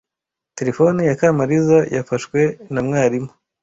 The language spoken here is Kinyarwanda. Terefone ya Kamariza yafashwe na mwarimu.